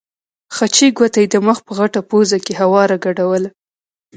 خچۍ ګوته یې د مخ په غټه پوزه کې هواره ګډوله.